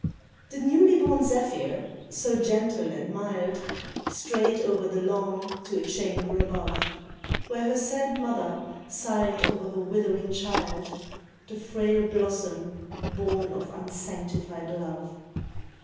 The newly born zephyr, so gentle and mild, Strayed over the lawn to a chamber above, Where her sad mother sighed o'er her withering child, The frail blossom born of unsanctified love.